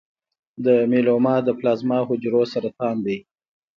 د میلوما د پلازما حجرو سرطان دی.